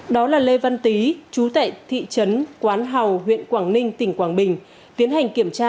đó là lê văn tý chú tại thị trấn quán hào huyện quảng ninh tỉnh quảng bình tiến hành kiểm tra